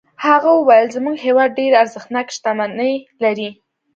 هغه وویل زموږ هېواد ډېرې ارزښتناکې شتمنۍ لري.